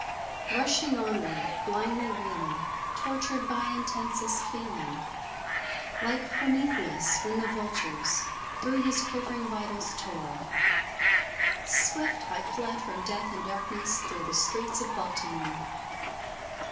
Rushing onward, blindly reeling, Tortured by intensest feeling Like Prometheus, when the vultures Through his quivering vitals tore Swift I fled from death and darkness, Through the streets of Baltimore!